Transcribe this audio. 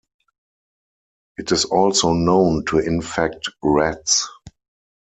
It is also known to infect rats.